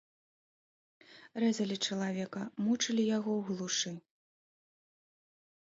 Рэзалі чалавека, мучылі яго ў глушы.